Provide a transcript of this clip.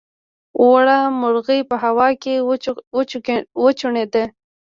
وړه مرغۍ په هوا کې وچوڼېده.